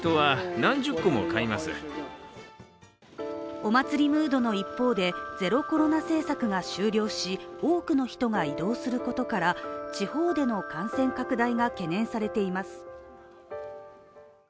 お祭りムードの一方でゼロコロナ政策が終了し多くの人が移動することから地方での感染拡大が懸念されています。